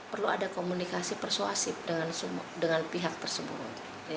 perlu ada komunikasi persuasif dengan pihak tersebut